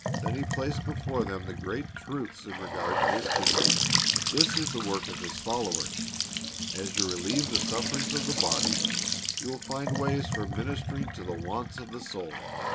Then He placed before them the great truths in regard to His kingdom. This is the work of His followers. As you relieve the sufferings of the body, you will find ways for ministering to the wants of the soul.